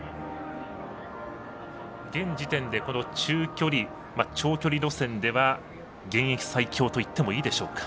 現時点で、中距離長距離路線では現役最強といってもいいでしょうか。